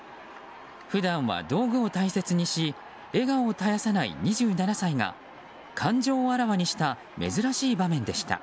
普段は道具を大切にし笑顔を絶やさない２７歳が感情をあらわにした珍しい場面でした。